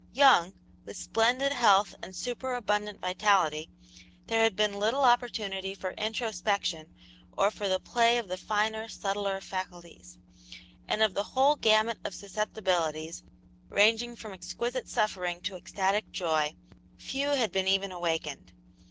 Young, with splendid health and superabundant vitality, there had been little opportunity for introspection or for the play of the finer, subtler faculties; and of the whole gamut of susceptibilities, ranging from exquisite suffering to ecstatic joy, few had been even awakened.